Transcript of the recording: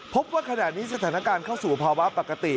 พบว่าขณะนี้สถานการณ์เข้าสู่ภาวะปกติ